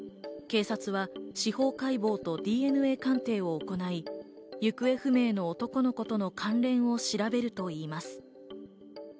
警察は司法解剖とＤＮＡ鑑定を行い、行方不明の男の子との関連を調べるといいます。